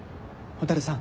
蛍さん